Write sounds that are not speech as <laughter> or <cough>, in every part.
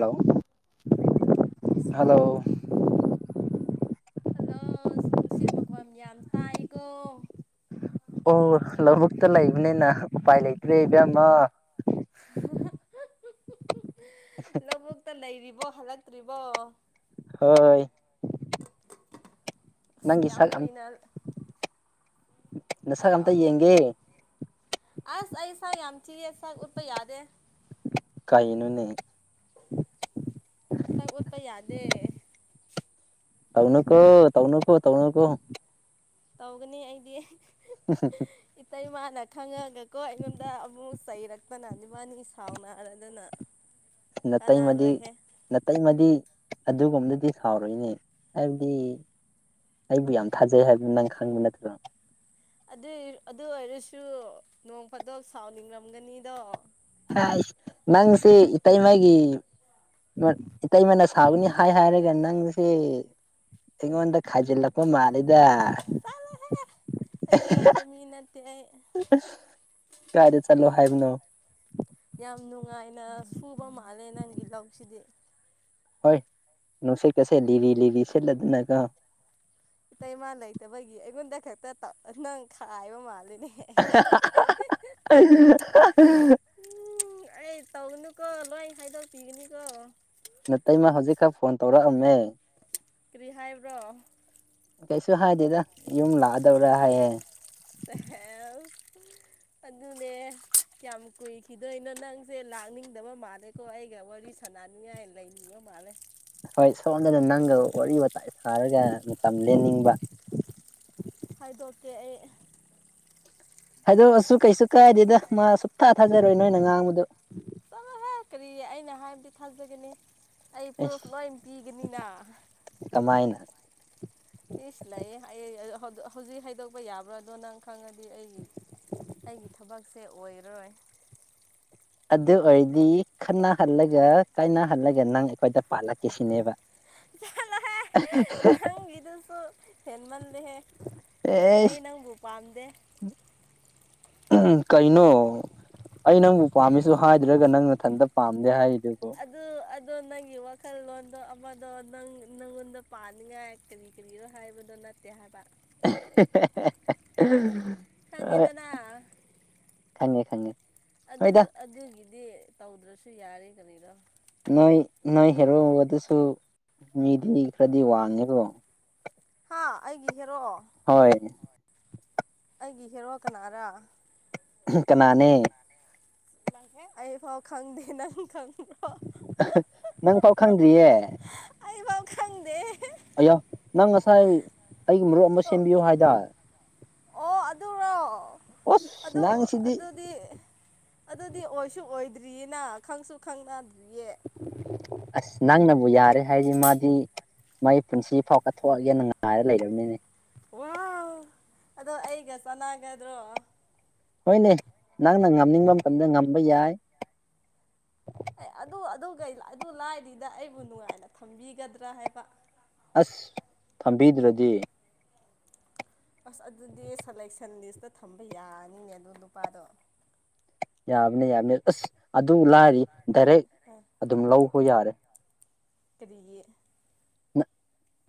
Hello hello ꯍꯜꯂꯣꯁ ꯅꯨꯡꯁꯤꯠ ꯝꯈꯣꯟ ꯌꯥꯝ ꯇꯥꯏꯀꯣ ꯑꯣ ꯂꯧꯕꯨꯛꯇ ꯂꯩꯕꯅꯤꯅ ꯎꯄꯥꯏ ꯂꯩꯇ꯭ꯔꯦ ꯏꯕꯦꯝꯃ ꯂꯧꯕꯨꯛꯇ ꯂꯩꯔꯤꯕꯣ ꯍꯜꯂꯛꯇ꯭ꯔꯤꯕꯣ ꯍꯣꯏ ꯑꯁ ꯅꯪꯒꯤ ꯌꯥꯝ ꯁꯛ ꯀꯨꯏꯅ ꯅꯁꯛ ꯑꯝꯇ ꯍꯥꯏꯔꯛꯑꯣꯅꯦ ꯌꯦꯡꯒꯦ ꯑꯁ ꯑꯩ ꯁꯛ ꯌꯥꯝ ꯊꯤꯌꯦ ꯁꯛ ꯎꯠꯄ ꯌꯥꯗꯦ ꯀꯩꯅꯣꯅꯦ ꯁꯛ ꯎꯠꯄ ꯌꯥꯗꯦ ꯇꯧꯅꯨ ꯀꯣ ꯇꯧꯅꯨ ꯀꯣ ꯇꯧꯅꯨ ꯀꯣ ꯇꯧꯒꯅꯤ ꯑꯩꯗꯤ ꯎꯍꯨꯝ <unintelligible> ꯏꯇꯩ ꯃꯥꯅ ꯈꯪꯉꯒꯀꯣ ꯑꯩꯉꯣꯟꯗ ꯑꯃꯨꯛ ꯆꯩꯔꯛ ꯃꯅꯥꯅꯤ ꯅꯕꯥꯅꯤ ꯁꯥꯎꯅ ꯍꯥꯏꯔꯗꯅ ꯅꯥꯇꯩꯃꯗꯤ ꯅꯥꯇꯩꯃꯗꯤ ꯑꯗꯨꯒꯨꯝꯕꯗꯗꯤ ꯁꯥꯎꯔꯣꯏꯅꯦ ꯍꯥꯏꯕꯗꯤ ꯑꯩꯕꯨ ꯌꯥꯝ ꯊꯥꯖꯩ ꯍꯥꯏꯕꯗꯨ ꯅꯪ ꯈꯪꯕ ꯅꯠꯇ꯭ꯔꯣ ꯑꯗꯨ ꯑꯗꯨ ꯑꯣꯏꯔꯁꯨ ꯅꯣꯡ ꯐꯗꯣ ꯁꯥꯎꯅꯤꯡꯔꯝꯒꯅꯤꯗꯣ ꯅꯪꯁꯤ ꯏꯇꯩꯃꯒꯤ ꯅꯣꯏ ꯏꯇꯩꯃꯅ ꯁꯥꯥꯎꯕꯅꯤ ꯍꯥꯏ ꯍꯥꯏꯔꯒ ꯅꯪꯁꯦ ꯑꯩꯉꯣꯟꯗ ꯈꯥꯏꯖꯤꯜꯂꯛꯄ ꯃꯥꯜꯂꯤꯗ ꯆꯠꯂꯣꯍꯦ ꯑꯗꯨꯒꯨꯝꯕ ꯃꯤ ꯅꯠꯇꯦ ꯑꯩ ꯀꯥꯏꯗ ꯆꯠꯂꯣ ꯍꯥꯏꯕꯅꯣ ꯌꯥꯝ ꯅꯨꯡꯉꯥꯏꯅ ꯁꯨꯕ ꯃꯥꯜꯂꯦ ꯅꯪꯒꯤ ꯂꯧꯁꯤꯗꯤ ꯍꯣꯏ ꯅꯨꯡꯁꯤꯠ ꯀꯁꯦꯠ ꯂꯤꯕꯤ ꯂꯤꯕꯤ ꯁꯦꯠꯂꯗꯅꯒ ꯏꯇꯩꯩꯃꯥ ꯂꯩꯇꯕꯒꯤ ꯑꯩꯉꯣꯟꯗ ꯈꯛꯇ ꯅꯪ ꯈꯥꯏꯕ ꯃꯥꯜꯂꯤꯅꯦꯍ ꯑ ꯎꯝ ꯑꯩ ꯇꯧꯒꯅꯨꯀꯣ ꯂꯣꯏ ꯍꯥꯏꯗꯣꯛꯄꯤꯒꯅꯤꯀꯣ ꯅꯇꯩꯃꯥ ꯍꯧꯖꯤꯛ ꯈ ꯐꯣꯟ ꯇꯧꯔꯛꯑꯝꯃꯦ ꯀꯔꯤ ꯍꯥꯏꯕ꯭ꯔꯣ ꯀꯩꯁꯨ ꯍꯥꯏꯗꯦꯗ ꯌꯨꯝ ꯂꯥꯛꯑꯗꯧꯔꯥ ꯍꯥꯏꯌꯦ ꯁꯍꯦꯜ ꯑꯗꯨꯅꯦ ꯀꯌꯥꯝ ꯀꯨꯏꯈꯤꯗꯣꯏꯅꯣ ꯅꯪꯁꯦ ꯂꯥꯛꯅꯤꯡꯗꯕ ꯃꯥꯜꯂꯦ ꯀꯣ ꯑꯩꯒ ꯋꯥꯔꯤ ꯁꯥꯟꯅꯅꯤꯡꯉꯥꯏ ꯂꯩꯅꯤꯡꯕ ꯃꯥꯜꯂꯦ ꯍꯣꯏ ꯁꯣꯝꯗꯅ ꯅꯪꯒ ꯋꯥꯔꯤ ꯋꯥꯇꯥꯏ ꯁꯥꯔꯒ ꯃꯇꯝ ꯂꯦꯟꯅꯤꯡꯕ ꯍꯥꯏꯗꯣꯛꯀꯦ ꯑꯩ ꯍꯥꯏꯗꯣꯛꯑꯁꯨ ꯀꯩꯁꯨ ꯀꯥꯏꯗꯦꯗ ꯃꯥ ꯁꯨꯡꯊꯥ ꯊꯥꯖꯔꯣꯏ ꯅꯣꯏꯅ ꯉꯥꯡꯕꯗꯣ ꯆꯠꯂꯣꯍꯦ ꯀꯔꯤ ꯑꯩꯅ ꯍꯥꯏꯕꯗꯤ ꯊꯥꯖꯒꯅꯤ ꯑꯩ ꯄ꯭ꯔꯨꯐ ꯑꯩꯁ ꯂꯣꯏ ꯄꯤꯒꯅꯤꯅ ꯀꯃꯥꯏꯅ ꯏꯁ ꯂꯩ ꯑꯩ ꯍꯧꯖꯤꯛ ꯍꯥꯏꯗꯣꯛꯄ ꯌꯥꯕ꯭ꯔꯥ ꯑꯗꯣ ꯅꯪ ꯈꯪꯉꯗꯤ ꯑꯩꯒꯤ ꯑꯩꯒꯤ ꯊꯕꯛꯁꯦ ꯑꯣꯏꯔꯔꯣꯏ ꯑꯗꯨ ꯑꯣꯏꯔꯗꯤ ꯈꯅꯍꯜꯂꯒ ꯀꯥꯏꯅꯍꯜꯂꯒ ꯅꯪ ꯑꯩꯈꯣꯏꯗ ꯄꯥꯜꯂꯛꯀꯦ ꯁꯤꯅꯦꯕ ꯆꯂ ꯅꯪꯒꯤꯗꯨꯁꯨ ꯍꯦꯟꯃꯜꯂꯦꯍꯦ ꯑꯩ ꯑꯦꯁ ꯅꯪꯕꯨ ꯄꯥꯝꯗꯦ <unintelligible> ꯎꯃꯍꯨꯝ ꯀꯩꯅꯣ ꯑꯩ ꯅꯪꯕꯨ ꯄꯥꯝꯃꯦꯁꯨ ꯍꯥꯏꯗ꯭ꯔꯒ ꯅꯪ ꯅꯊꯟꯇ ꯄꯥꯝꯗꯦ ꯍꯥꯏꯔꯤꯗꯨꯕꯨ ꯑꯗꯨ ꯑꯗꯣ ꯅꯪꯒꯤ ꯋꯥꯈꯜꯂꯣꯟꯗꯣ ꯑꯃꯗꯣ ꯅꯪ ꯅꯪꯉꯣꯟꯗ ꯄꯥꯅꯤꯡꯉꯥꯏ ꯀꯔꯤ ꯀꯔꯤꯣ ꯍꯥꯏꯕꯗꯣ ꯅꯠꯇꯦ ꯍꯥꯏꯕ <unintelligible> ꯍꯣꯏ ꯈꯪꯉꯦꯗꯅ ꯈꯪꯉꯦ ꯈꯪꯉꯦ ꯑꯗꯨ ꯍꯣꯏꯗ ꯑꯗꯨꯒꯤꯗꯤ ꯇꯧꯗ꯭ꯔꯁꯨ ꯌꯥꯔꯦ ꯀꯔꯤꯗꯣ ꯅꯣꯏ ꯅꯣꯏ ꯍꯦꯔꯣ ꯑꯗꯨꯁꯨ ꯃꯤꯗꯤ ꯈꯔꯗꯤ ꯋꯥꯡꯉꯦꯀꯣ ꯍꯥ ꯑꯩꯒꯤ ꯍꯦꯔꯣ ꯍꯣꯏ ꯑꯩꯒꯤ ꯍꯦꯔꯣ ꯀꯅꯥꯔꯥ ꯀꯅꯥꯅꯤ ꯑꯩ ꯐꯥꯎ ꯈꯪꯗꯦ ꯅꯪ ꯈꯪꯕꯔꯣ ꯅꯪ ꯐꯥꯎ ꯈꯪꯗ꯭ꯔꯤꯌꯦ ꯑꯩꯐꯥꯎ ꯈꯪꯗꯦ ꯑꯌꯥ ꯅꯪ ꯉꯁꯥꯏ ꯑꯩꯒꯤ ꯃꯔꯨꯞ ꯑꯃ ꯑꯣ ꯁꯦꯝꯕꯤꯌꯨ ꯍꯥꯏꯇꯥꯔꯦ ꯑꯣ ꯑꯗꯨꯔꯣ ꯑꯁ ꯑꯗꯨ ꯅꯪꯁꯤꯗꯤ ꯑꯗꯨꯗꯤ ꯑꯗꯨꯗꯤ ꯑꯣꯏꯁꯨ ꯑꯣꯏꯗ꯭ꯔꯤꯌꯦꯅ ꯈꯪꯁꯨ ꯈꯪꯅꯗ꯭ꯔꯤꯌꯦ ꯑꯁ ꯅꯪꯅꯕꯨ ꯌꯥꯔꯦ ꯍꯥꯏꯗꯤ ꯃꯥꯗꯤ ꯃꯒꯤ ꯄꯨꯟꯁꯤ ꯐꯥꯎ ꯀꯠꯊꯣꯛꯑꯒꯦꯅꯅꯨꯡꯉꯥꯏꯔ ꯂꯩꯔꯕꯅꯤꯅꯦ ꯋꯥ ꯑꯗꯣ ꯑꯩꯒ ꯆꯥꯟꯅꯒꯗ꯭ꯔꯣ ꯍꯣꯏꯅꯦ ꯅꯪꯅ ꯉꯝꯅꯤꯡꯕ ꯃꯇꯝꯗ ꯉꯝꯕ ꯌꯥꯏ ꯑꯦ ꯑꯗꯨ ꯑꯗꯨ ꯂꯥꯏꯔꯤꯗ ꯑꯩꯕꯨ ꯅꯨꯡꯉꯥꯏꯅ ꯊꯝꯕꯤꯒꯗ꯭ꯔꯥ ꯍꯥꯏꯕ ꯑꯁ ꯐꯝꯕꯤꯗ꯭ꯔꯗꯤ ꯑꯁ ꯑꯗꯨꯗꯤ ꯁꯂꯦꯛꯁꯟ ꯂꯤꯁꯇ ꯊꯝꯕ ꯌꯥꯅꯤꯅꯦ ꯑꯗꯨ ꯅꯨꯄꯥꯗꯣ ꯌꯥꯕꯅꯦ ꯌꯥꯕꯅꯦ ꯑꯁ ꯑꯗꯨ ꯂꯥꯏꯔꯤ ꯗꯥꯏꯔꯦꯛ ꯑꯗꯨꯝ ꯂꯧꯕ ꯌꯥꯔꯦ ꯀꯔꯤꯒꯤ ꯅ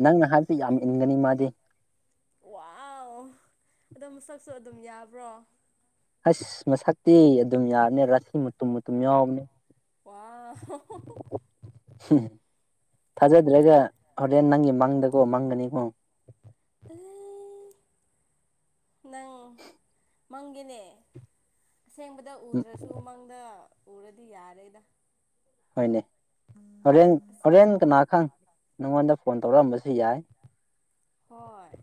ꯅꯪꯅ ꯍꯥꯏꯕꯕꯁꯤ ꯌꯥꯝ ꯏꯟꯒꯅꯤ ꯃꯥꯗꯤ ꯋꯥꯋ ꯑꯗꯣ ꯃꯁꯛꯁꯨ ꯑꯗꯨꯝ ꯌꯥꯕ꯭ꯔꯣ ꯍꯁ ꯃꯁꯛꯇꯤ ꯑꯗꯨꯝ ꯌꯥꯕꯅꯦ ꯔꯥꯁꯤ ꯃꯨꯇꯨꯝ ꯃꯨꯇꯨꯝ ꯌꯥꯎꯕꯅꯦ ꯋꯥꯏ ꯍꯎꯎ ꯎ ꯊꯥꯖꯗ꯭ꯔꯒ ꯍꯣꯔꯦꯟ ꯅꯪꯒꯤ ꯃꯪꯗꯀꯣ ꯃꯪꯒꯅꯤꯀꯣ ꯑꯜꯂꯤ ꯅꯪ ꯃꯪꯒꯤꯅꯦ ꯑꯁꯦꯡꯕꯗ ꯑꯗ ꯎꯝ ꯎꯗ꯭ꯔꯁꯨ ꯃꯪꯗ ꯎꯔꯗꯤ ꯌꯥꯔꯦꯗ ꯍꯣꯏꯅꯦ ꯍꯣꯔꯦꯟ ꯍꯣꯔꯦꯟ ꯀꯅꯥꯈꯪ ꯅꯪꯉꯣꯟꯗ ꯐꯣꯟ ꯇꯧꯔꯛꯑꯝꯕꯁꯨ ꯌꯥꯏ ꯍꯣꯏ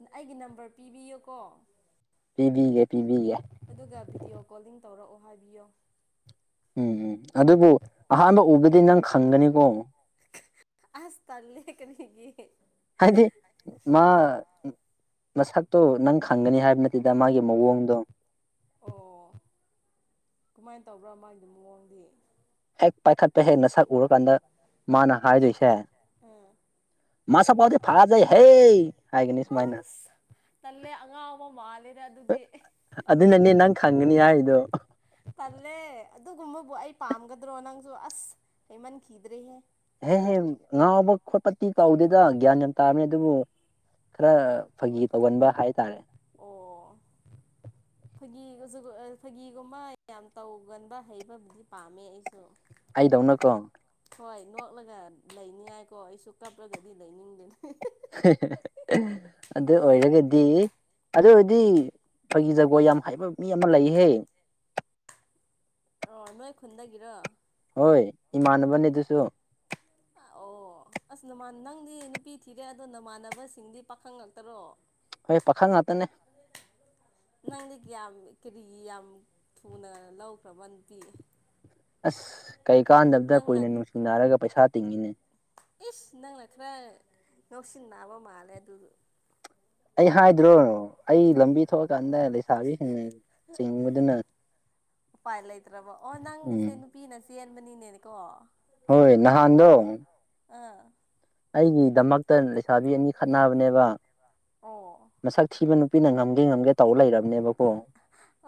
ꯑꯩꯒꯤ ꯅꯝꯕꯔ ꯄꯤꯕꯤꯌꯨꯀꯣ ꯄꯤꯕꯤꯒꯦ ꯄꯤꯕꯤꯒꯦ ꯑꯗꯨꯒ ꯚꯤꯗꯤꯑꯣ ꯀꯣꯂꯤꯡ ꯇꯧꯔꯛꯑꯣ ꯍꯥꯏꯕꯤꯌꯣ ꯎꯝ ꯎꯝ ꯑꯗꯨꯕꯨ ꯑꯍꯥꯟꯕ ꯎꯕꯗꯤ ꯅꯪ ꯈꯪꯒꯅꯤꯀꯣ ꯑꯁ ꯇꯜꯂꯦ ꯀꯔꯤꯒꯤ ꯍꯥꯏꯗꯤ ꯃꯥ ꯃꯁꯛꯇꯣ ꯅꯪ ꯈꯪꯒꯅꯤ ꯍꯥꯏꯕ ꯅꯠꯇꯦꯗ ꯃꯥꯒꯤ ꯃꯋꯡꯗꯣ ꯑꯣ ꯀꯃꯥꯏꯅ ꯇꯧꯕ꯭ꯔꯥ ꯃꯥꯒꯤ ꯃꯑꯣꯡꯗꯤ ꯍꯦꯛ ꯄꯥꯏꯈꯠꯄ ꯍꯦꯛꯅ ꯁꯛ ꯎꯔꯀꯥꯟꯗ ꯃꯥꯅ ꯍꯥꯏꯗꯣꯏꯁꯦ ꯎꯝ ꯃꯥꯁꯛ ꯐꯥꯎꯗꯤ ꯐꯖꯏ ꯍꯦ ꯍꯥꯏꯒꯅꯤ ꯁꯨꯃꯥꯏꯅ ꯑꯁ ꯇꯜꯂꯦ ꯑꯉꯥꯎꯕ ꯃꯥꯜꯂꯦꯗ ꯑꯗꯨꯗꯤ ꯑꯗꯨꯅꯅꯦ ꯅꯪ ꯈꯪꯒꯅꯤ ꯍꯥꯏꯗꯣ ꯇꯜꯂꯦ ꯑꯗꯨꯒꯨꯝꯕꯕꯨ ꯑꯩ ꯄꯥꯝꯒꯗ꯭ꯔꯣ ꯅꯪꯁꯨ ꯑꯁ ꯂꯩꯩꯃꯟꯈꯤꯗ꯭ꯔꯦꯍꯦ ꯍꯦꯍꯦ ꯉꯥꯎꯕ ꯈꯣꯠꯄꯗꯤ ꯇꯧꯗꯦꯗ ꯒ꯭ꯌꯥꯟ ꯌꯥꯝ ꯇꯥꯕꯅꯤ ꯑꯗꯨꯕꯨ ꯈꯔ ꯐꯥꯒꯤ ꯇꯧꯒꯟꯕ ꯍꯥꯏꯇꯥꯔꯦ ꯑꯣ <unintelligible> ꯐꯥꯒꯤꯒ ꯐꯥꯒꯤꯒꯨꯝꯕ ꯌꯥꯝ ꯇꯧꯒꯟꯕ ꯍꯩꯕꯕꯨꯗꯤ ꯄꯥꯝꯃꯦ ꯑꯩꯁꯨ ꯑꯩꯗꯧꯅꯀꯣ ꯍꯣꯏ ꯅꯣꯛꯂꯒ ꯂꯩꯅꯤꯉꯥꯏꯀꯣ ꯑꯩꯁꯨ ꯀꯞꯂꯒꯗꯤ ꯂꯩꯅꯤꯡꯗꯦꯅꯦ ꯍꯦꯍꯦꯍꯦ ꯑꯦ ꯑꯗꯨ ꯑꯣꯏꯔꯒꯗꯤ ꯑꯗꯨ ꯑꯣꯏꯔꯗꯤ ꯑꯩꯈꯣꯏꯒꯤ ꯖꯒꯣꯏ ꯌꯥꯝ ꯍꯩꯕ ꯃꯤ ꯑꯃ ꯂꯩꯍꯦ ꯑ ꯅꯣꯏ ꯈꯨꯟꯗꯥꯒꯤꯔꯣ ꯍꯣꯏ ꯏꯃꯥꯟꯅꯕꯅꯤꯗꯨꯁꯨ ꯑꯣ ꯑꯁ ꯅꯃꯥꯟ ꯅꯪꯗꯤ ꯅꯨꯄꯤ ꯊꯤꯔꯦ ꯑꯗꯣ ꯅꯃꯥꯟꯅꯕꯁꯤꯡꯗꯤ ꯄꯥꯈꯪ ꯉꯛꯇꯔꯣ ꯍꯦ ꯄꯥꯈꯪ ꯉꯥꯛꯇꯅꯦ ꯅꯪꯗꯤ ꯀ ꯌꯥꯝ ꯀꯦꯔꯤ ꯌꯥꯝ ꯊꯨꯅ ꯂꯧꯈ꯭ꯔꯕꯅ ꯄꯤ ꯑꯁ ꯀꯩꯀꯥꯟꯗꯕꯗ ꯅꯪꯅ ꯀꯨꯏꯅ ꯅꯨꯡꯁꯤꯅꯔꯒ ꯄꯩꯁꯥ ꯇꯤꯡꯉꯤꯅꯦ ꯑꯦꯁ ꯅꯪꯂ ꯈ꯭ꯔꯥ ꯉꯎꯁꯤꯡ ꯅꯥꯕ ꯃꯥꯂꯦ ꯑꯗꯨ ꯑꯩ ꯍꯥꯏꯗ꯭ꯔꯣꯅꯣ ꯑꯩ ꯂꯝꯕꯤ ꯊꯣꯛꯑꯀꯥꯟꯗ ꯂꯩꯁꯥꯕꯤꯁꯤꯡꯅ ꯆꯤꯡꯕꯗꯨꯅ ꯎꯄꯥꯏ ꯂꯩꯇ꯭ꯔꯕ ꯑꯣ ꯅꯪꯅꯤꯁꯦ ꯎꯝ ꯅꯨꯄꯤꯅ ꯆꯦꯟꯕꯅꯤꯅꯦꯅꯦꯀꯣ ꯍꯣꯏ ꯅꯍꯥꯟꯗꯣ ꯑꯥ ꯑꯩꯒꯤꯗꯃꯛꯇ ꯂꯩꯁꯥꯕꯤ ꯑꯅꯤ ꯈꯠꯅꯕꯅꯦꯕ ꯑꯣ ꯃꯁꯛ ꯊꯤꯕ ꯅꯨꯄꯤꯅ ꯉꯝꯒꯦ ꯉꯝꯒꯦ ꯇꯧꯔ ꯂꯩꯔꯕꯅꯦꯕꯀꯣ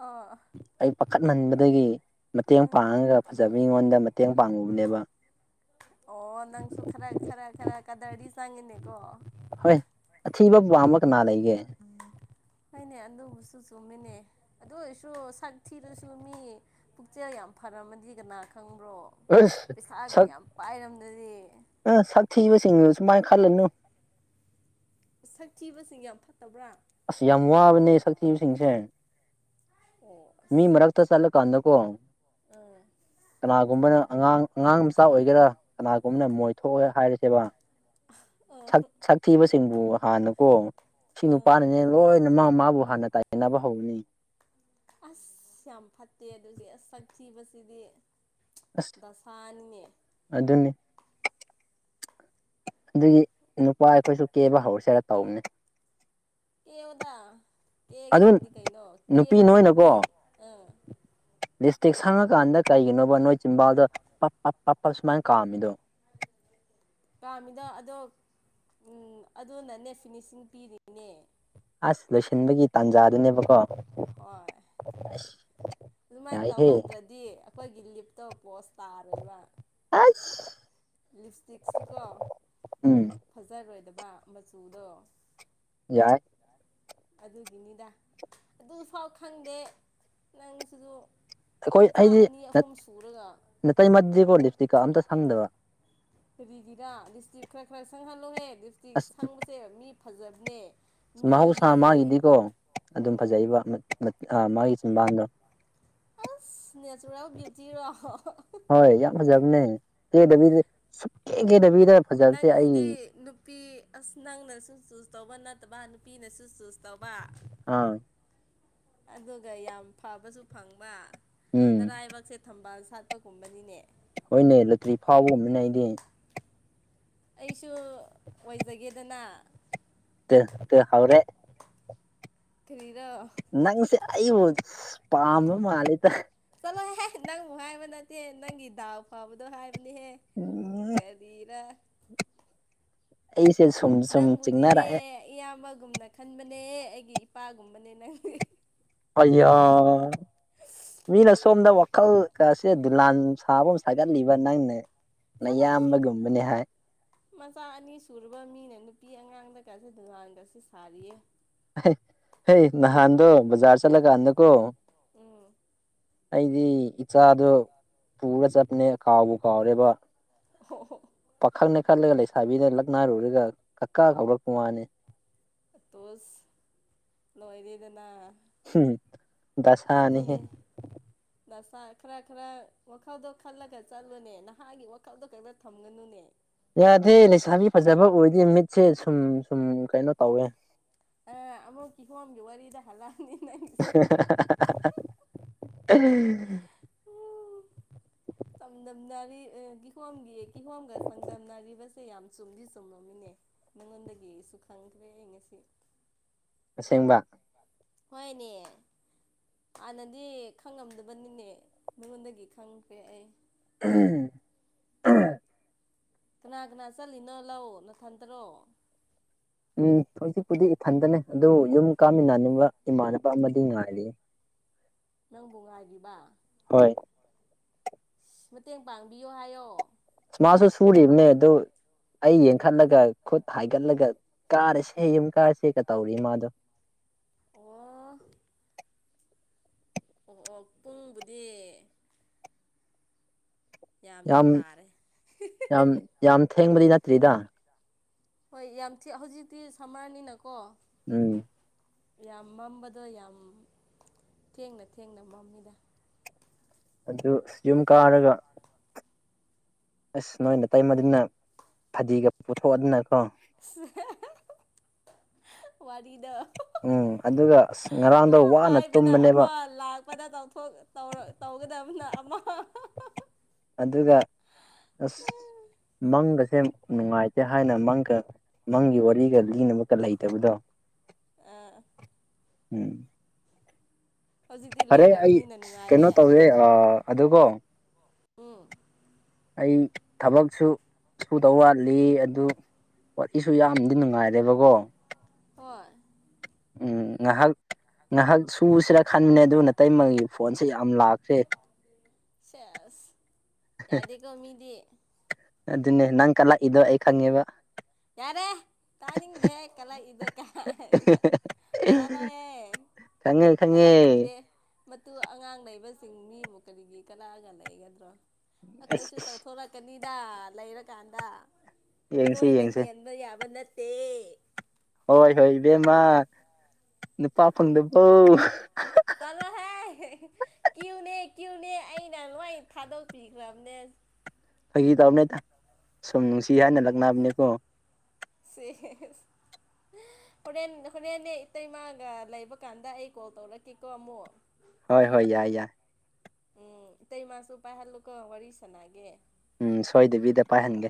ꯑꯥ ꯑꯩ ꯄꯥꯈꯠꯍꯟꯕꯗꯒꯤ ꯃꯇꯦꯡ ꯎꯝ ꯄꯥꯡꯉꯒ ꯐꯖꯕ ꯃꯤꯉꯣꯟꯗ ꯃꯇꯦꯡ ꯄꯥꯡꯉꯨꯕꯅꯦꯕ ꯑꯣ ꯅꯪꯁꯨ ꯈꯔ ꯈꯔ ꯈꯔ ꯀꯗꯔꯗꯤ ꯆꯪꯉꯤꯅꯤꯀꯣ ꯍꯣꯏ ꯑꯊꯤꯕ ꯄꯥꯝꯕꯥ ꯀꯅꯥ ꯂꯩꯒꯦ ꯍꯣꯏꯅꯦ ꯑꯗꯨꯕꯨꯁꯨ ꯆꯨꯝꯃꯤꯅꯦ ꯑꯗꯨ ꯑꯣꯏꯔꯁꯨ ꯁꯛ ꯊꯤꯔꯁꯨ ꯆꯨꯝꯃꯤ ꯄꯨꯛꯆꯦꯜ ꯌꯥꯝ ꯐꯔꯝꯃꯗꯤ ꯀꯅꯥ ꯈꯪꯕ꯭ꯔꯣ ꯑꯁ ꯄꯩꯁꯥꯒ ꯁꯛ ꯌꯥꯝ ꯄꯥꯏꯔꯝꯂꯗꯤ ꯑ ꯁꯥꯛꯊꯤꯕꯁꯤꯡ ꯁꯨꯃꯥꯏꯟ ꯈꯜꯂꯨꯅꯨ ꯁꯛ ꯊꯤꯕꯁꯤꯡ ꯌꯥꯝ ꯐꯠꯇꯕ꯭ꯔꯥ ꯑꯁ ꯌꯥꯝ ꯋꯥꯕꯅꯦ ꯁꯛꯊꯤꯕꯁꯤꯡꯁꯦ ꯑꯣ ꯃꯤ ꯃꯔꯛꯇ ꯆꯇꯂꯥ ꯀꯥꯟ ꯗꯥꯀꯣ ꯑ ꯀꯅꯥꯒꯨꯝꯕꯅ ꯑꯉꯥꯡ ꯑꯉꯥꯡ ꯃꯆꯥ ꯑꯣꯏꯒꯦꯔꯥ ꯀꯅꯥꯒꯨꯝꯕꯅ ꯃꯣꯏꯊꯣꯛꯑꯦ ꯍꯥꯏꯔꯗꯦꯕ ꯑꯥ ꯁꯛꯊꯤꯕꯁꯤꯡꯕꯨ ꯍꯥꯟꯅꯀꯣ ꯁꯤ ꯑ ꯅꯨꯄꯥꯅꯅꯦ ꯂꯣꯏꯅ ꯃꯥ ꯃꯥꯕꯨ ꯍꯥꯟꯅ ꯇꯥꯏꯌꯦꯅꯕ ꯍꯧꯕꯅꯤ ꯑꯁ ꯌꯥꯝ ꯐꯠꯇꯦ ꯑꯗꯨꯗꯤ ꯁꯛ ꯊꯤꯕꯁꯤꯗꯤ ꯑꯁ ꯗꯁꯅꯤꯅꯦ ꯑꯗꯨꯅꯤ ꯑꯗꯨꯒꯤ ꯅꯨꯄꯥ ꯑꯩꯈꯣꯏꯁꯨ ꯀꯦꯕ ꯍꯧꯔꯁꯤꯦꯔ ꯇꯧꯕꯅꯦ ꯀꯦꯌꯣꯗ ꯑꯗꯨ ꯀꯦꯒꯗꯕꯅꯤ ꯀꯩꯅꯣ ꯀꯦꯕꯕꯨ ꯅꯨꯄꯤ ꯑꯥ ꯂꯤꯁꯇ꯭ꯤꯛ ꯁꯪꯉꯀꯥꯟꯗ ꯀꯩꯒꯤꯅꯣꯕ ꯅꯣꯏ ꯆꯤꯝꯕꯥꯜꯗ ꯄꯞ ꯄꯞ ꯄꯞ ꯄꯞ ꯁꯨꯃꯥꯏꯟ ꯀꯥꯝꯃꯤꯗꯣ ꯄꯥꯝꯃꯤꯗꯣ ꯑꯗꯣ ꯎ ꯑꯗꯨꯅꯅꯦ ꯐꯤꯅꯤꯁꯤꯡ ꯄꯤꯔꯤꯅꯦ ꯑꯁ ꯂꯣꯏꯁꯤꯟꯕꯒꯤ ꯇꯥꯟꯖꯥꯗꯨꯅꯦꯕꯀꯣ ꯍꯣꯏ ꯑꯁ ꯑꯗꯨꯃꯥꯏꯅ ꯇꯧꯍꯧꯗ꯭ꯔꯗꯤ ꯑꯩꯈꯣꯏꯒꯤ ꯂꯤꯞꯇꯣ ꯄꯣꯁ ꯇꯥꯔꯣꯏꯕ ꯑꯁ ꯂꯤꯞꯁꯇꯤꯛꯁꯨꯀꯣ ꯎꯝ ꯐꯖꯔꯣꯏꯗꯕ ꯃꯆꯨꯗꯣ ꯌꯥꯏ ꯑꯗꯨꯒꯤꯅꯤꯗ ꯑꯗꯨꯐꯥꯎ ꯈꯪꯗꯦ ꯅꯪꯁꯨꯁꯨ ꯃꯆꯥ ꯑꯅꯤ ꯑꯍꯨꯝ ꯁꯨꯔꯒ ꯅꯇꯩ ꯃꯗꯤꯀꯣ ꯂꯤꯞ ꯏꯁꯇꯤꯀꯥ ꯑꯝꯇꯥ ꯁꯪꯗꯕ꯫ ꯀꯔꯤꯒꯤꯔ ꯂꯤꯞ ꯏꯁꯇꯤꯛ ꯈꯔ ꯈꯔ ꯁꯪꯍꯜꯂꯣꯍꯦ ꯂꯤꯞ ꯏꯁꯇꯤꯛ ꯑꯁ ꯁꯪꯕꯁꯦ ꯃꯤ ꯐꯖꯕꯅꯦ꯫ ꯃꯍꯧꯁꯥ ꯃꯤꯒꯤ ꯃꯥꯒꯤꯗꯤꯀꯣ ꯑꯗꯨꯝ ꯎꯝ ꯐꯖꯩꯕ ꯃꯠ ꯑ ꯃꯥꯒꯤ ꯆꯕꯥꯟꯗꯣ꯫ ꯑꯁ ꯅꯦꯆꯔꯦꯜ ꯕ꯭ꯌꯨꯇꯤ ꯔꯣ ꯍꯣꯍꯣꯑꯍ ꯍꯣꯏ ꯌꯥꯝ ꯐꯖꯕꯅꯦ ꯀꯦꯗꯕꯤꯗ ꯁꯨꯛꯀꯦ ꯀꯦꯗꯕꯤꯗ꯫ ꯐꯖꯕꯁꯦ ꯅꯪꯁꯤꯗꯤ ꯑꯩ ꯅꯨꯞꯄꯤ ꯅꯨꯄꯤ ꯑꯁ ꯅꯪꯅꯁꯨ ꯆꯨꯁ ꯇꯧꯕ ꯅꯠꯇꯕ ꯅꯨꯄꯤꯅꯁꯨ ꯆꯨꯁ ꯇꯧꯕ꯫ ꯑꯥ꯫ ꯑꯗꯨꯒ ꯌꯥꯝ ꯐꯕꯁꯨ ꯐꯪꯕ ꯎꯝ ꯅꯔꯥꯏꯕꯛꯁꯦ ꯊꯝꯕꯥꯜ ꯁꯥꯠꯄ ꯒꯨꯝꯕꯅꯤꯅꯦ꯫ ꯍꯣꯏꯅꯦ ꯂꯣꯇ꯭ꯔꯤ ꯐꯥꯎꯕꯒꯨꯝꯕꯅꯦ ꯑꯩꯗꯤ ꯑꯩꯁꯨ ꯑꯣꯏꯖꯒꯦꯗꯅ ꯇꯦꯟ ꯇꯦ ꯍꯥꯎꯔꯦ ꯀꯔꯤꯗ ꯅꯪꯁꯦ ꯑꯩꯕꯨ ꯄꯥꯝꯕ ꯃꯥꯂꯦꯗ ꯆꯠꯂꯣꯍꯦ ꯅꯪꯕꯨꯛ ꯍꯥꯏꯕ ꯅꯠꯇꯦ ꯅꯪꯒꯤ ꯗꯥꯎ ꯐꯥꯎꯕꯗꯣ ꯍꯥꯏꯕꯅꯦꯍꯦ꯫ ꯎꯝ ꯀꯔꯤꯔꯥ꯫ ꯑꯩꯁꯦ ꯁꯨꯝ ꯁꯨꯝ ꯅꯪꯕꯨꯗꯤꯅꯦ ꯆꯤꯡꯅꯔꯛꯑꯦ ꯏꯌꯥꯝꯕꯒꯨꯝꯅ ꯈꯟꯕꯅꯦ ꯑꯩꯒꯤ ꯏꯄꯥꯒꯨꯝꯕꯅꯦ ꯅꯪꯗꯤꯍꯤ ꯑꯌꯥ ꯃꯤꯅ ꯁꯣꯝꯗ ꯋꯥꯈꯜ ꯒꯁꯦ ꯗꯨꯂꯥꯟ ꯁꯕꯥ ꯍꯧ ꯍꯥꯏꯒꯟꯂꯤꯕ ꯅꯪꯅ ꯆꯠꯂꯣꯍꯦ ꯅꯌꯥꯝꯕꯒꯨꯝꯕꯅꯦ ꯍꯥꯏ ꯃꯆꯥ ꯑꯅꯤ ꯁꯨꯨꯔꯕ ꯃꯤꯅ ꯅꯨꯄꯤ ꯑꯉꯥꯡꯗꯒꯁꯨ ꯗꯣꯂꯟꯒꯁꯨ ꯁꯥꯔꯤꯌꯦ ꯑꯍꯩ ꯍꯩ ꯇꯧꯒꯅꯨ ꯅꯍꯥꯟꯗꯣ ꯕꯖꯥꯔ ꯆꯠꯂꯀꯥꯟꯗꯀꯣ ꯎꯝ ꯑꯩꯗꯤ ꯏꯆꯥꯗꯣ ꯄꯨꯔ ꯆꯠꯄꯅꯦ ꯀꯥꯎꯕꯨ ꯀꯥꯎꯔꯦꯕ ꯍꯣ ꯍꯣ ꯄꯥꯈꯪꯅꯦ ꯈꯜꯂꯒ ꯂꯩꯁꯥꯕꯤꯅ ꯂꯛ ꯅꯥꯔꯨꯔꯒ ꯀꯛꯀꯥ ꯀꯧꯔꯛꯄ ꯋꯥꯅꯤ ꯑꯇꯣꯁ ꯂꯣꯏꯔꯦꯗꯅ ꯍꯨꯝꯍꯨꯝ ꯑꯗꯨꯅꯦ <inaudible> ꯅꯁꯥ ꯈꯔ ꯈꯔ ꯋꯥꯈꯜꯗꯣ ꯈꯜꯂꯒ ꯆꯠꯂꯨꯅꯦ ꯅꯍꯥꯒꯤ ꯋꯥꯈꯜꯗꯣ ꯀꯛꯇ ꯊꯝꯒꯅꯨꯅꯦ ꯌꯥꯗꯦ ꯂꯩꯁꯥꯕꯤ ꯐꯖꯕ ꯎꯔꯗꯤ ꯃꯤꯠꯁꯦ ꯁꯨꯝ ꯁꯨꯝ ꯀꯩꯅꯣ ꯇꯧꯋꯦ ꯑ ꯑꯃꯨꯛ ꯀꯤꯍꯣꯝꯒꯤ ꯋꯥꯔꯤꯗ ꯍꯜꯂ <unintelligible> ꯆꯥꯡꯗꯝꯅꯔꯤ ꯑ ꯀꯤꯍꯣꯝꯒꯤ ꯀꯤꯍꯣꯝꯒ ꯆꯥꯡꯗꯝꯅꯔꯤꯕꯁꯦ ꯌꯥꯝ ꯆꯨꯝꯗꯤ ꯆꯨꯝꯃꯃꯤꯅꯦ ꯅꯪꯉꯣꯟꯗꯒꯤ ꯑꯩꯁꯨ ꯈꯪꯈ꯭ꯔꯦ ꯑꯩ ꯉꯁꯤ ꯑꯁꯦꯡꯕ ꯍꯣꯏꯅꯦ ꯍꯥꯟꯅꯗꯤ ꯈꯪꯉꯝꯗꯕꯅꯤꯅꯦ ꯃꯤꯉꯣꯟꯗꯒꯤ ꯈꯪꯈ꯭ꯔꯦ ꯑꯩ <unintelligible> ꯀꯅꯥ ꯀꯅꯥ ꯆꯠꯂꯤꯅꯣ ꯂꯧ ꯅꯊꯟꯇꯔꯣ ꯎꯝ ꯍꯧꯖꯤꯛꯄꯨꯗꯤ ꯏꯊꯟꯇ ꯂꯩ ꯑꯗꯣ ꯌꯨꯝ ꯀꯥꯃꯤꯟꯅꯅꯤꯡꯕ ꯏꯃꯥꯟꯅꯕ ꯑꯃꯗꯤ ꯉꯥꯏꯔꯤꯌꯦ ꯅꯪꯕꯨ ꯉꯥꯏꯔꯤꯕꯥ ꯍꯣꯏ ꯑꯁꯁ ꯃꯇꯦꯡ ꯄꯥꯡꯕꯤꯌꯣ ꯍꯥꯏꯌꯣ ꯃꯥꯖꯨ ꯁꯨꯔꯤꯕꯅꯦ ꯑꯗꯨ ꯑꯩ ꯌꯦꯡꯈꯠꯂꯒ ꯈꯨꯠ ꯍꯥꯏꯒꯠꯂꯒ ꯀꯥꯔꯁꯦ ꯌꯨꯝ ꯀꯥꯔꯁꯦꯒ ꯇꯧꯔꯤꯌꯦ ꯃꯥꯗꯣ ꯑꯣ ꯑꯣ ꯑꯣ ꯄꯨꯡꯕꯨꯗꯤ ꯌꯥꯝꯗꯤ ꯌꯥꯝ ꯇꯥꯔꯦ ꯌꯥꯝ <unintelligible> ꯌꯥꯝ ꯊꯦꯡꯕꯗꯤ ꯅꯠꯇ꯭ꯔꯤꯗ ꯍꯣꯏ ꯌꯥꯝ ꯊꯤ ꯍꯧꯖꯤꯛꯇꯤ ꯁꯝꯃꯔꯅꯤꯅꯀꯣ ꯎꯝ ꯌꯥꯝ ꯃꯝꯕꯗꯣ ꯌꯥꯝ ꯊꯦꯡꯅ ꯊꯦꯡꯅ ꯃꯝꯃꯤꯗ ꯑꯗꯨ ꯌꯨꯝ ꯀꯥꯔꯒ ꯑꯁ ꯅꯣꯏ ꯅꯇꯩꯃꯗꯨꯅ ꯐꯗꯤꯒ ꯄꯨꯊꯣꯛ ꯑꯗꯅꯀꯣ <unintelligible> <unintelligible> ꯋꯥꯔꯤꯗꯣ ꯎꯝ ꯑꯗꯨꯒ ꯑꯁ ꯉꯔꯥꯡꯗꯣ ꯋꯥꯅ ꯍꯥꯏꯕꯅ ꯇꯨꯝꯕꯅꯦꯕ ꯑꯃ ꯂꯥꯛ ꯄꯗ ꯇꯧꯊꯣꯛ ꯇꯧ ꯒꯗꯕꯅ ꯑꯃ ꯑꯗꯨꯒ ꯑꯁ ꯃꯪꯒꯁꯦ ꯅꯨꯡꯉꯥꯏꯇꯦ ꯍꯥꯏꯅ ꯃꯪꯒ ꯃꯪꯒꯤ ꯋꯥꯔꯤꯒ ꯂꯤꯅꯕꯒ ꯂꯩꯇꯕꯗꯣ ꯑ ꯎꯝ ꯍꯧꯖꯤꯛꯇꯤ ꯐꯔꯦ ꯑꯩ ꯂꯩꯔꯕꯅꯤꯅ ꯀꯩꯅꯣ ꯅꯨꯡꯉꯥꯏꯔꯦ ꯇꯧꯋꯦ ꯑꯥ ꯑꯗꯨꯒꯣ ꯎꯝ ꯑꯩ ꯊꯕꯛꯁꯨ ꯁꯨꯗꯧ ꯋꯥꯠꯂꯤ ꯑꯗꯨ ꯋꯥꯔꯤꯁꯨ ꯌꯥꯝꯗꯤ ꯅꯨꯡꯉꯥꯏꯔꯦꯕꯀꯣ ꯍꯣꯏ ꯎꯝ ꯉꯍꯥꯛ ꯉꯥꯏꯍꯥꯛ ꯁꯨꯁꯤꯔꯥ ꯈꯟꯕꯅꯦ ꯑꯗꯨ ꯅꯥꯇꯩꯃꯒꯤ ꯐꯣꯟꯁꯦ ꯌꯥꯝ ꯂꯥꯛꯈ꯭ꯔꯦ ꯑꯦꯁ ꯌꯥꯗꯦꯀꯣ ꯃꯤꯗꯤ ꯑꯗꯨꯅꯦ ꯅꯪ ꯀꯜꯂꯛꯏꯗꯣ ꯑꯩ ꯈꯪꯉꯦꯕ ꯌꯥꯔꯦ ꯇꯥꯅꯤꯡꯗꯦꯍꯦ ꯀꯜꯂꯛ ꯏꯗꯣ ꯀꯥꯏꯅ ꯆꯂꯣ ꯍꯦ꯫ ꯈꯪꯉꯦ ꯈꯪꯉꯦ ꯃꯇꯨ ꯑꯉꯥꯡ ꯂꯩꯕꯁꯤꯡ ꯃꯤꯕꯨ ꯀꯔꯤꯒꯤ ꯀꯂꯛꯑꯒ ꯂꯩꯒꯗ꯭ꯔꯣ ꯑꯁ ꯑꯈꯣꯏꯁꯨ ꯑꯁ ꯇꯧꯊꯣꯔꯛ ꯀꯅꯤꯗ ꯂꯩꯔꯀꯥꯟꯗ ꯌꯦꯡꯁꯤ ꯅꯣꯏꯅ ꯌꯦꯡꯁꯤ ꯍꯦꯟꯕ ꯌꯥꯕ ꯅꯠꯇꯦ꯫ ꯍꯣꯏ ꯍꯣꯏ ꯏꯕꯦꯝꯃ ꯅꯨꯄꯥ ꯐꯪꯗꯕꯧ ꯆꯠꯂꯣꯍꯦ ꯍꯦꯍꯦ ꯀ꯭ꯌꯨꯅꯦ ꯀ꯭ꯌꯨꯅꯦ ꯑꯩꯅ ꯂꯣꯏ ꯊꯥꯗꯣꯛꯄꯤꯈ꯭ꯔꯕꯅꯦ ꯐꯒꯤ ꯇꯧꯕꯅꯦꯗ ꯁꯨꯝ ꯅꯨꯡꯁꯤ ꯍꯥꯏꯅ ꯂꯛꯅꯕꯅꯦꯀꯣ ꯁꯦ ꯍꯦꯁ ꯍꯣꯔꯦꯟ ꯍꯣꯔꯦꯟꯅꯦ ꯏꯇꯩꯃꯥꯒ ꯂꯩꯕ ꯀꯥꯟꯗ ꯑꯩ ꯀꯣꯜ ꯇꯧꯔꯛꯀꯦꯀꯣ ꯑꯃꯨꯛ ꯍꯣꯏ ꯍꯣꯏ ꯌꯥꯏ ꯌꯥꯏ꯫ ꯎꯝ ꯏꯇꯩꯃꯁꯨ ꯄꯥꯏꯍꯜꯂꯨꯀꯣ ꯋꯥꯔꯤ ꯁꯥꯥꯟꯅꯒꯦ꯫ ꯎꯝ ꯁꯣꯏꯗꯕꯤꯗ ꯄꯥꯏꯍꯟꯒꯦ꯫